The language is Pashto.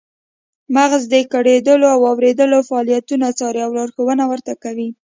مغزه د ګړیدلو او اوریدلو فعالیتونه څاري او لارښوونه ورته کوي